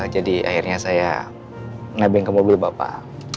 jadi akhirnya saya ngebengkel mobil bapak